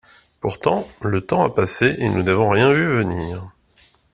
Pourtant, le temps a passé et nous n’avons rien vu venir.